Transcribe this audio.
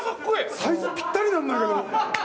サイズぴったりなんだけど。